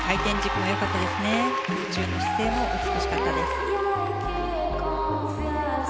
空中の姿勢も美しかったです。